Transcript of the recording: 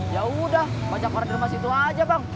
yaudah baca koran derma situ aja bang